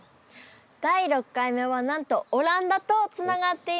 第６回目はなんとオランダとつながっています。